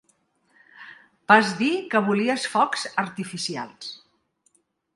Vas dir que volies focs artificials.